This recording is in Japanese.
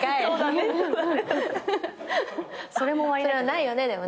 それはないよねでも。